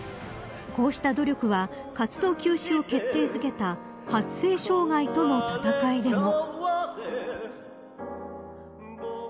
こうした努力は活動休止を決定づけた発声障害との闘いでも。